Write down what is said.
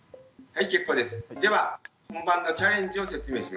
はい。